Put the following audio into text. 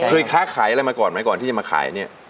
เคยค่าขายอะไรมาก่อนที่จะมาขายเนี่ย